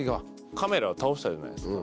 カメラ倒したじゃないですか